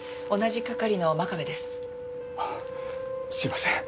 同じ係の真壁です。